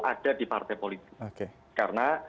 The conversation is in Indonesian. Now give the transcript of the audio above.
ada di partai politik karena